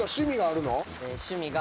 趣味が。